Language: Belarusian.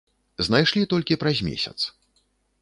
Знайшлі толькі праз месяц.